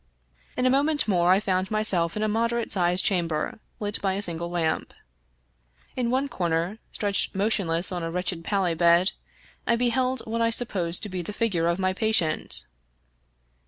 In a moment more I found myself in a mod erate sized chamber, lit by a single lamp. In one comer, stretched motionless on a wretched pallet bed, I beheld what I supposed to be the figure of my patient.